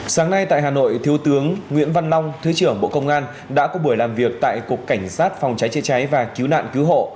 sáng nay tại hà nội thiếu tướng nguyễn văn long thứ trưởng bộ công an đã có buổi làm việc tại cục cảnh sát phòng cháy chế cháy và cứu nạn cứu hộ